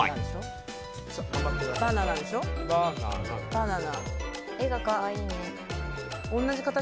バナナ。